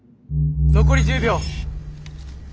残り１０秒。